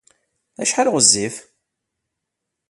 Acḥal ay ɣezzif?